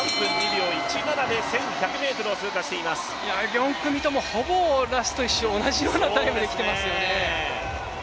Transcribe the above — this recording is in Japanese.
４組ともほぼ、ラスト１周同じようなタイムで来ていますね。